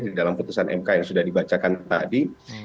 di dalam putusan mk yang sudah dibacakan tadi